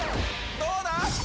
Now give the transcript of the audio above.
どうだ？